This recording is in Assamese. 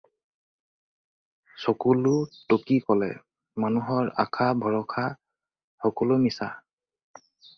চকুলো টুকি ক'লে- "মানুহৰ আশা ভৰসা সকলো মিছা।"